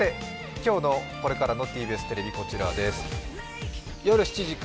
今日のこれからのＴＢＳテレビこちらです。